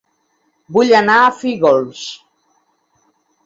Vull anar a Fígols